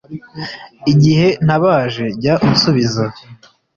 igihe ntabaje, jya unsubiza